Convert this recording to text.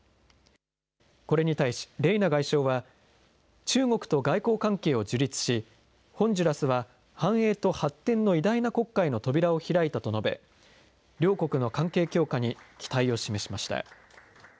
これに対しレイナ外相は、中国と外交関係を樹立し、ホンジュラスは繁栄と発展の偉大な国家への扉を開いたと述べ、両国の関係強化に期待を示しました。